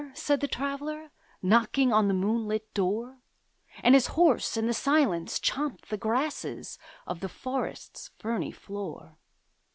said the Traveller, Knocking on the moonlit door; And his horse in the silence champed the grasses Of the forest's ferny floor.